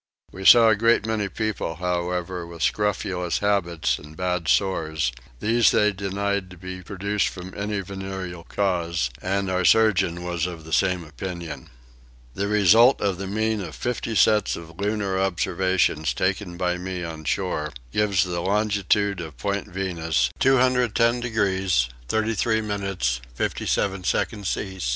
We saw a great many people however with scrofulous habits and bad sores: these they denied to be produced from any venereal cause; and our surgeon was of the same opinion. The result of the mean of 50 sets of lunar observations taken by me on shore gives for the Longitude of Point Venus 210 degrees 33 minutes 57 seconds east.